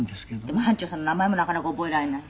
でも班長さんの名前もなかなか覚えられない。